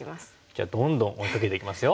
じゃあどんどん追いかけていきますよ。